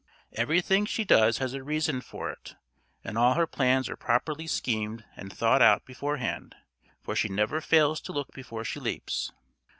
Everything she does has a reason for it, and all her plans are properly schemed and thought out beforehand, for she never fails to look before she leaps.